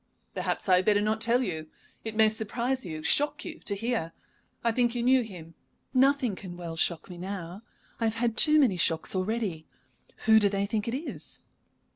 "Perhaps I had better not tell you. It may surprise you, shock you to hear. I think you knew him " "Nothing can well shock me now. I have had too many shocks already. Who do they think it is?"